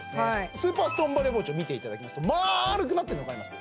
スーパーストーンバリア包丁見ていただきますとまるくなってるの分かります？